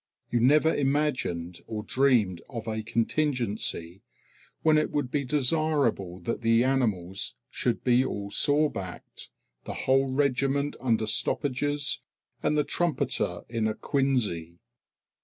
You never imagined or dreamed of a contingency when it would be desirable that the animals should be all sorebacked, the whole regiment under stoppages, and the trumpeter in a quinsy.